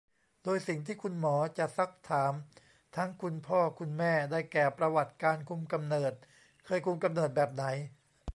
โดยสิ่งที่คุณหมอจะซักถามทั้งคุณพ่อคุณแม่ ได้แก่ ประวัติการคุมกำเนิด เคยคุมกำเนิดแบบไหน